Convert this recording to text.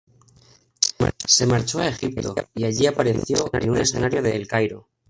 Se marchó a Egipto, y allí apareció en un escenario de El Cairo.